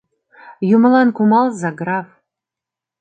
— Юмылан кумалза, граф!..